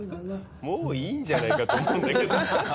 もういいんじゃないかと思うんだけど。